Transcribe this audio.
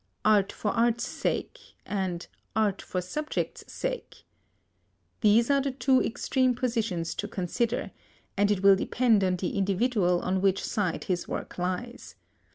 "Art for art's sake" and "Art for subject's sake." There are these two extreme positions to consider, and it will depend on the individual on which side his work lies.